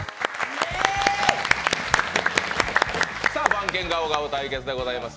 「番犬ガオガオ」対決でございます。